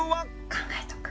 考えとく。